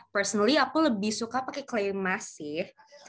personally aku lebih suka pakai clay mask sih